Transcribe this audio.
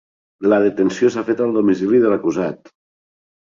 La detenció s'ha fet al domicili de l'acusat